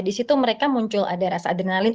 di situ mereka muncul ada rasa adrenalin